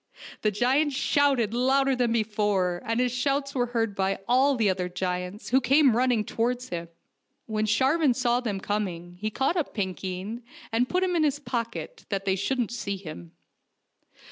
The giant shouted louder than before, and his shouts were heard by all the other giants, who came running towards him. When Sharvan saw them coming, he caught up Pinkeen, and put him in his pocket, that they shouldn't see him.